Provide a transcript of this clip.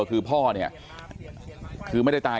คือพ่อเนี่ยคือไม่ได้ตาย